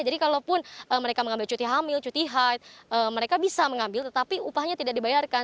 jadi kalaupun mereka mengambil cuti hamil cuti haid mereka bisa mengambil tetapi upahnya tidak dibayarkan